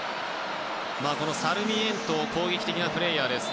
サルミエント攻撃的なプレーヤーです。